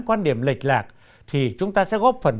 quan điểm lệch lạc thì chúng ta sẽ góp phần